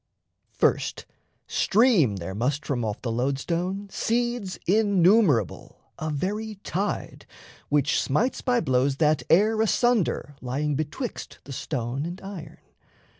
First, stream there must from off the lode stone seeds Innumerable, a very tide, which smites By blows that air asunder lying betwixt The stone and iron.